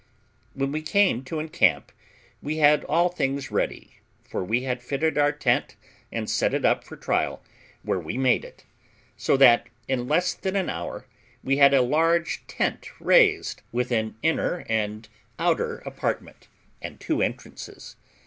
When we came to encamp, we had all things ready, for we had fitted our tent, and set it up for trial, where we made it; so that, in less than an hour, we had a large tent raised, with an inner and outer apartment, and two entrances.